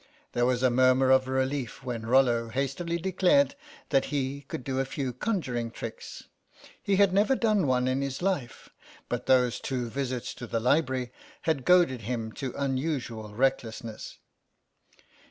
There was a murmur of relief when Rollo hastily declared that he could do a few conjuring tricks. He had never done one in his life, but those two visits to the library had goaded him to unusual recklessness.